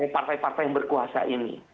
partai partai yang berkuasa ini